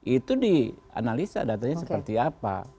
itu dianalisa datanya seperti apa